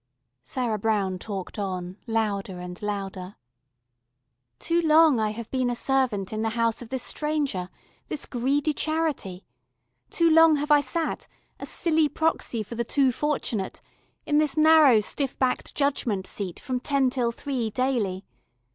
Sarah Brown talked on, louder and louder. "Too long I have been a servant in the house of this stranger, this greedy Charity; too long have I sat a silly proxy for the Too Fortunate in this narrow stiff backed judgement seat from ten till three daily.